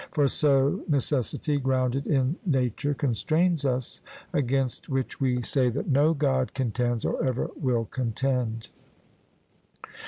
For so necessity grounded in nature constrains us, against which we say that no God contends, or ever will contend.